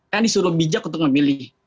yang disuruh bijak untuk memilih